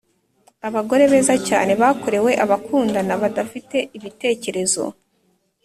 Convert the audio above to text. abagore beza cyane bakorewe abakundana badafite ibitekerezo